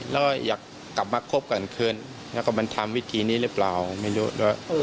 แล้วอยากกลับมาคบกันคืนแล้วก็มันทำวิธีนี้หรือเปล่าไม่รู้ด้วย